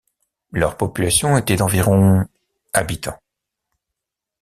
Leur population était d’environ … habitants.